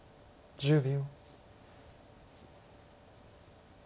１０秒。